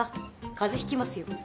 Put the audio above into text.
風邪ひきますよ。